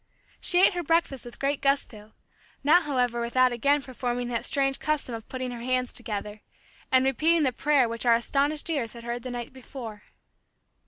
She ate her breakfast with great gusto, not however without again performing that strange custom of putting her hands together, and repeating the prayer which our astonished ears had heard the night before.